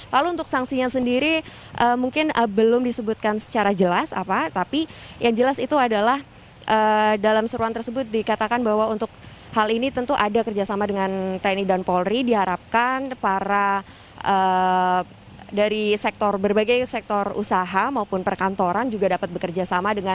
lalu untuk sanksinya sendiri mungkin belum disebutkan secara jelas tapi yang jelas itu adalah dalam seruan tersebut dikatakan bahwa untuk hal ini tentu ada kerjasama dengan tni dan polri diharapkan para dari sektor berbagai sektor usaha maupun perkantoran juga dapat bekerjasama dengan